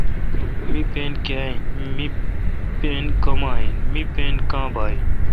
می پن کیا این۔۔می پین کما این۔۔می پن کاں بااین